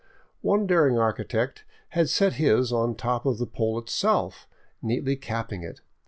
One daring architect had set his on the top of the pole itself, neatly capping it.